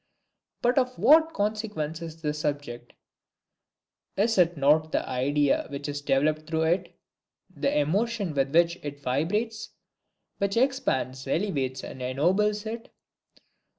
But of what consequence is the subject? Is it not the idea which is developed through it, the emotion with which it vibrates, which expands, elevates and ennobles it?